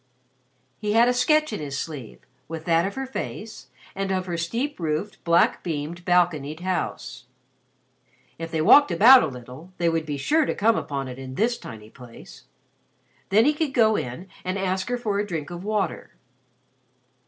He had a sketch in his sleeve, with that of her face, of her steep roofed, black beamed, balconied house. If they walked about a little, they would be sure to come upon it in this tiny place. Then he could go in and ask her for a drink of water.